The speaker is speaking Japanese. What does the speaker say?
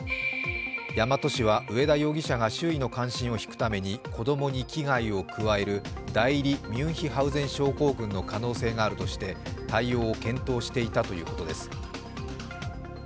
大和市は上田容疑者が周囲の関心を引くために子供に危害を加える代理ミュンヒハウゼン症候群の可能性があるとして対応を検討していたということです。